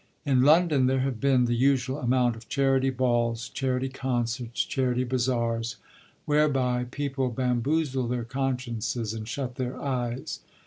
In London there have been the usual amount of Charity Balls, Charity Concerts, Charity Bazaars, whereby people bamboozle their consciences and shut their eyes.